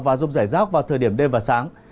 và rông rải rác vào thời điểm đêm và sáng